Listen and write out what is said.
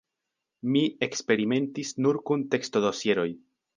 Mi eksperimentis nur kun tekstodosieroj.